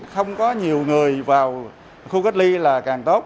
không có nhiều người vào khu cách ly là càng tốt